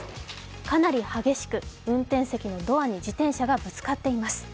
かなり激しく運転席のドアに自転車がぶつかっています。